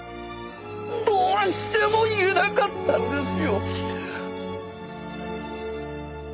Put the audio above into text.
どうしても言えなかったんですよ。